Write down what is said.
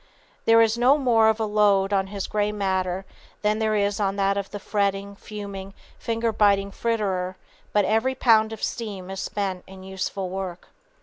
There is no more of a "load" on his "gray matter" than there is on that of the fretting, fuming, finger biting fritterer, but every pound of steam is spent in useful work.